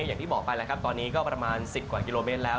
อย่างที่บอกไปแล้วครับตอนนี้ก็ประมาณ๑๐กว่ากิโลเมตรแล้ว